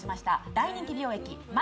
大人気美容液マ